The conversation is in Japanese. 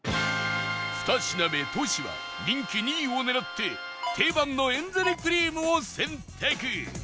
２品目トシは人気２位を狙って定番のエンゼルクリームを選択